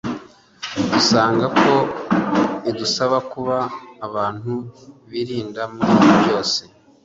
dusanga ko idusaba kuba abantu birinda muri byose.